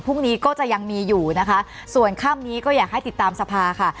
พรุ่งนี้ก็จะยังมีอยู่นะคะส่วนค่ำนี้ก็อยากให้ติดตามสภาค่ะ